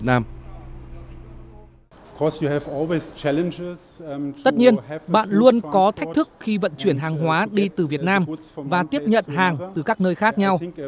tất nhiên bạn luôn có thách thức khi vận chuyển hàng hóa đi từ việt nam và tiếp nhận hàng từ các nơi khác nhau